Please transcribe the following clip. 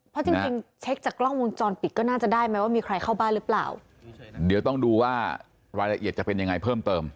เพราะจริงจริงเช็คจากกล้องวงจรปิดก็น่าจะได้ไหมว่ามีใครเข้าบ้านหรือเปล่าเดี๋ยวต้องดูว่ารายละเอียดจะเป็นยังไงเพิ่มเติม